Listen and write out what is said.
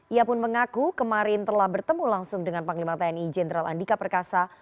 ia pun mengaku kemarin telah bertemu langsung dengan panglima tni jenderal andika perkasa